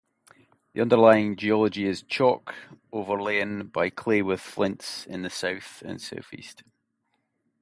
The underlying geology is chalk, overlain by clay-with-flints in the south and southeast.